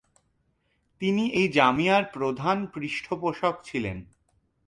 তিনি এই জামিয়ার প্রধান পৃষ্ঠপোষক ছিলেন।